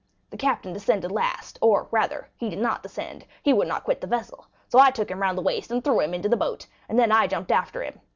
The captain descended last, or rather, he did not descend, he would not quit the vessel; so I took him round the waist, and threw him into the boat, and then I jumped after him.